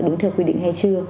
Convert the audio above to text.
đúng theo quy định hay chưa